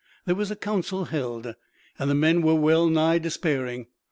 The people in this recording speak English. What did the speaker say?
There was a counsel held, and the men were well nigh despairing.